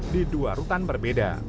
di dua rutan berbeda